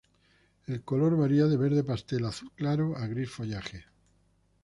El color varía de verde pastel, azul claro a gris follaje.